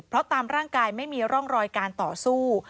เพราะตามร่างกายไม่มีร่องรอยการต่อสู้